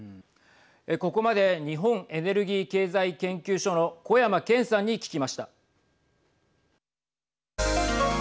ここまで日本エネルギー経済研究所の小山堅さんに聞きました。